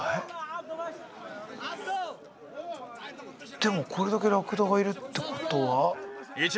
でもこれだけラクダがいるってことは。